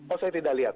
oh saya tidak lihat